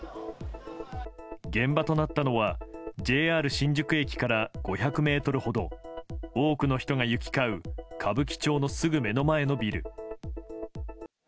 現場となったのは、ＪＲ新宿駅から５００メートルほど、多くの人が行き交う歌舞伎町のすぐ目の前のビル。